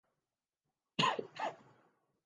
دنیا کی چھٹی یا ساتویں بڑی فوج اور اس کا